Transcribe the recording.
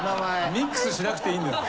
ミックスしなくていいんですよ。